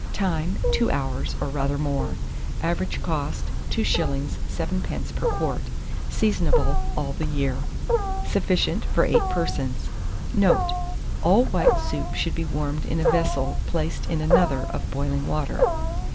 Time. 2 hours, or rather more. Average cost, 2s. 7d. per quart. Seasonable all the year. Sufficient for 8 persons. Note. All white soups should be warmed in a vessel placed in another of boiling water.